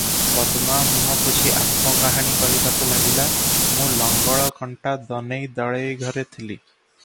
"ପଦ୍ମା ମୁହଁ ପୋଛି ଆତ୍ମକାହାଣୀ କହିବାକୁ ଲାଗିଲା, "ମୁଁ ଲଙ୍ଗଳକଣ୍ଟା ଦନେଇ ଦଳେଇ ଘରେ ଥିଲି ।